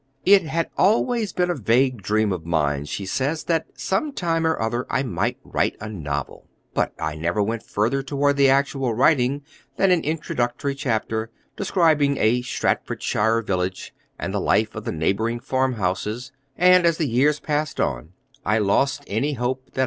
"It had always been a vague dream of mine," she says, "that sometime or other I might write a novel ... but I never went further toward the actual writing than an introductory chapter, describing a Staffordshire village, and the life of the neighboring farm houses; and as the years passed on I lost any hope that.